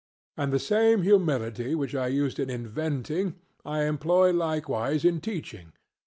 And the same humility which I use in inventing I employ likewise in teaching.